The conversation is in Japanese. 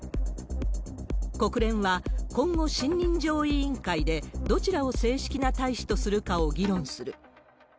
国連は今後、信任状委員会でどちらを正式な大使とするかを議論する。